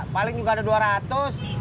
paling juga ada dua ratus